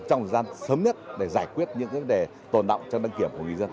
trong thời gian sớm nhất để giải quyết những vấn đề tồn động trong đăng kiểm của người dân